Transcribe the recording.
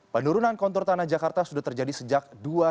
penurunan kontur tanah jakarta sudah terjadi sejak dua ribu dua